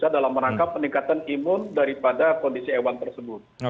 dalam rangka peningkatan imun daripada kondisi hewan tersebut